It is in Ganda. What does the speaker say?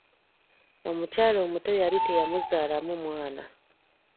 Omukyala omuto yali teyamuzaalamu mwana.